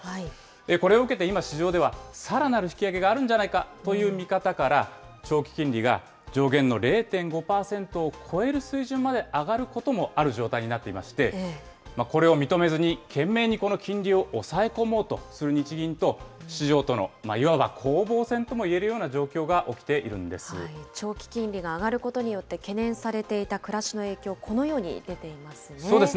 これを受けて今、市場ではさらなる引き上げがあるんじゃないかという見方から、長期金利が上限の０．５％を超える水準まで上がることもある状態になっていまして、これを認めずに懸命にこの金利を抑え込もうとする日銀と、市場とのいわば攻防戦とも言えるような状況が起きて長期金利が上がることによって、懸念されていた暮らしの影響、このように出ていますね。